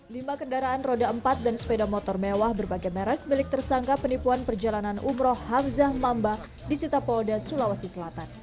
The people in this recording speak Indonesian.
lima kendaraan roda empat dan sepeda motor mewah berbagai merek milik tersangka penipuan perjalanan umroh hamzah mamba disita polda sulawesi selatan